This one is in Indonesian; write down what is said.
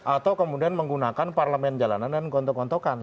atau kemudian menggunakan parlemen jalanan dan gontok gontokan